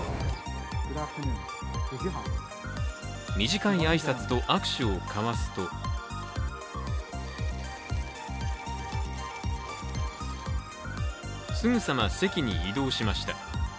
短い挨拶と握手を交わすとすぐさま席に移動しました。